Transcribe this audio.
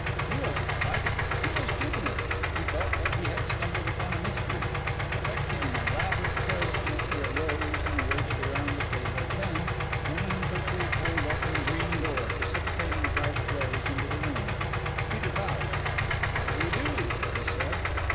He was excited. He was jubilant. He felt that he had stumbled upon a mystery. Affecting an elaborate carelessness he arose and waited around the table then, turning quickly, pulled open the green door, precipitating Private Rose into the room. Peter bowed. "How do you do?" he said.